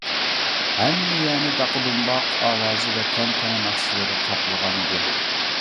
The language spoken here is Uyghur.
ھەممە يەرنى داقا-دۇمباق ئاۋازى ۋە تەنتەنە ناخشىلىرى قاپلىغان ئىدى.